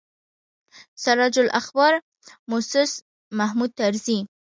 سراج الاخبار موسس محمود طرزي.